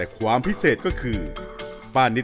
มีหลานชายคนหนึ่งเขาไปสื่อจากคำชโนธ